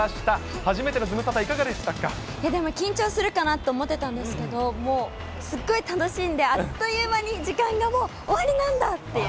初めてのズムサタ、いかがでしたでも、緊張するかなって思ってたんですけど、もう、すっごい楽しんで、あっという間に時間がもう、終わりなんだっていう。